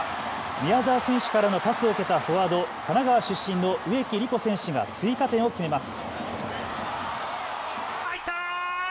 宮澤選手からのパスを受けたフォワード、神奈川出身の植木理子選手が追加点を決めます。